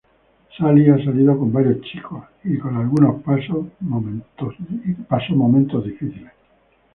Sally ha salido con varios chicos y con algunos pasó momentos difíciles.